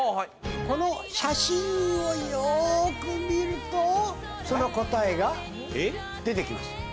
この写真をよく見るとその答えが出て来ます。